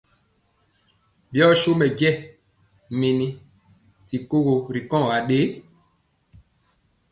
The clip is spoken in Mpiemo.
Byɔ so mɛjɛ men ti kogo ri kɔŋ aɗee?